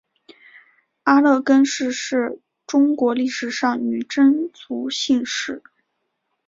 阿勒根氏是中国历史上女真族姓氏。